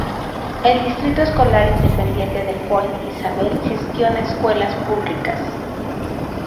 El Distrito Escolar Independiente de Point Isabel gestiona escuelas públicas.